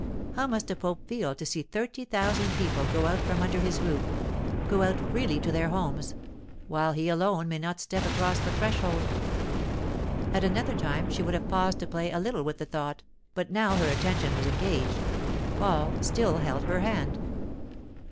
How must a pope feel to see thirty thousand people go out from under his roof—go out freely to their homes—while he alone may not step across the threshold? At another time she would have paused to play a little with the thought, but now her attention was engaged. Paul still held her hand.